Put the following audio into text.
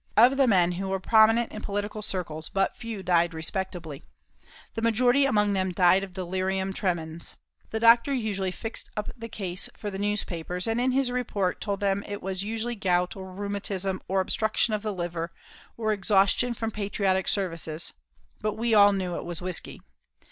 Of the men who were prominent in political circles but few died respectably. The majority among them died of delirium tremens. The doctor usually fixed up the case for the newspapers, and in his report to them it was usually gout, or rheumatism, or obstruction of the liver, or exhaustion from patriotic services but we all knew it was whiskey.